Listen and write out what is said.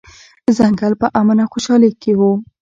ځنګل په امن او خوشحالۍ کې و.